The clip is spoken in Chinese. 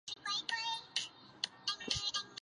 前段背椎后缘的椎管周围有小型环状椎版。